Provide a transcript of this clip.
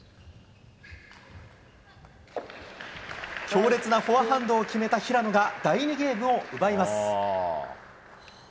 強烈なフォアハンドを決めた平野が第２ゲームを奪います。